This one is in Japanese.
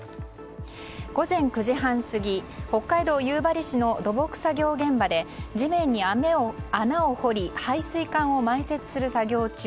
午前９時半過ぎ北海道夕張市の土木作業現場で地面に穴を掘り配水管を埋設する作業中